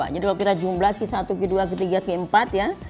jadi kalau kita jumlah q satu q dua q tiga q empat ya